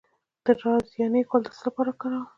د رازیانې ګل د څه لپاره وکاروم؟